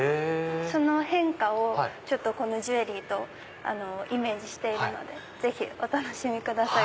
その変化をこのジュエリーとイメージしているのでぜひお楽しみください